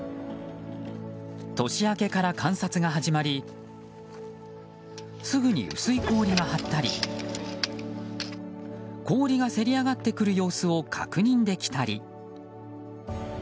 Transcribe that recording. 年明けから観察が始まりすぐに薄い氷が張ったり氷がせり上がってくる様子を確認できたり。